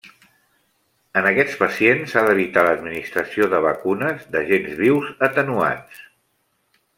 En aquests pacients s'ha d'evitar l'administració de vacunes d'agents vius atenuats.